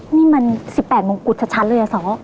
นี่มัน๑๘มงกุฎชัดเลยอะสอ